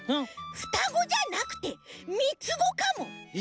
ふたごじゃなくてみつごかも！え！？